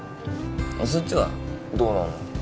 そっちはどうなのよ